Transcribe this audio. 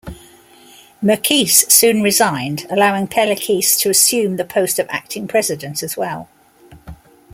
Merkys soon resigned, allowing Paleckis to assume the post of acting President as well.